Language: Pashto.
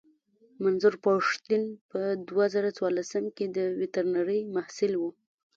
منظور پښتين په دوه زره څوارلسم کې د ويترنرۍ محصل و.